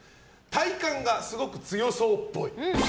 体幹がすごく強そうっぽい。